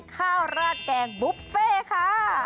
ข้าวราดแกงบุฟเฟ่ค่ะ